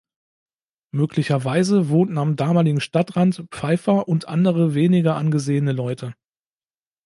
Möglicherweise wohnten am damaligen Stadtrand Pfeifer und andere weniger angesehene Leute.